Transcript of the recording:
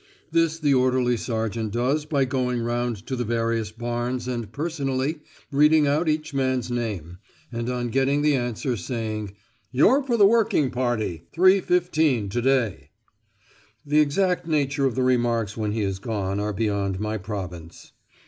This the orderly sergeant does by going round to the various barns and personally reading out each man's name, and on getting the answer, saying, "You're for working party, 3.15 to day." The exact nature of the remarks when he is gone are beyond my province.